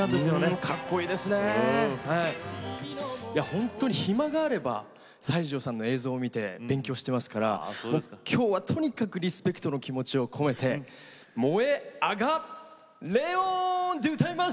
ほんとに暇があれば西城さんの映像を見て勉強してますから今日はとにかくリスペクトの気持ちを込めて燃え上がレオンで歌います。